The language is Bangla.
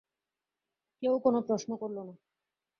কেউ কোনো প্রশ্ন করল না।